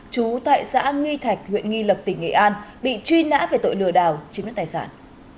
chú tại xã nghi thạch huyện nghi lập tỉnh nghệ an bị truy nã về tội lừa đảo chiếm đất tài sản